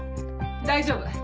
大丈夫。